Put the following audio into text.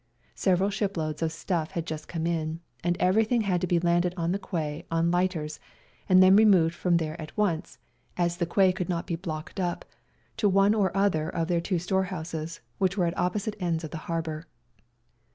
Several shiploads of stuff had just come in, and everything had to be landed on the quay on lighters and then removed from there at once, as the quay could not be blocked up, to one or other of their two store houses, w^hich were at opposite ends of the harbour.